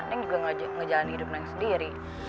neng juga ngejalan hidup neng sendiri